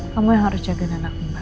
kamu yang harus jaga anak mbak